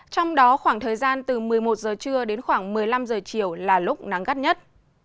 trong đó khoảng thời gian từ một mươi một giờ trưa đến khoảng một mươi năm h chiều là lúc nắng gắt nhất